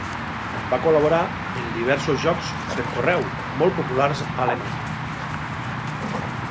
On va col·laborar en diversos jocs per correu molt populars a Alemanya.